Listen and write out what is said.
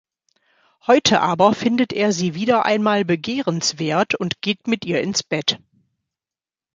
Heute aber findet er sie wieder einmal begehrenswert und geht mit ihr ins Bett.